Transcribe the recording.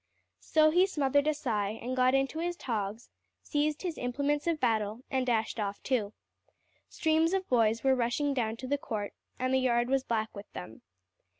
So he smothered a sigh, and got into his togs, seized his implements of battle, and dashed off too. Streams of boys were rushing down to the court, and the yard was black with them.